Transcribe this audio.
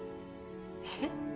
えっ！？